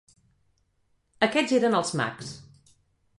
Aquests eren els mags.